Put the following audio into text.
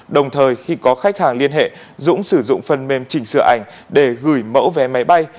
đồng thời khi có khách hàng liên hệ dũng sử dụng phần mềm chỉnh sửa ảnh để gửi mẫu vé máy bay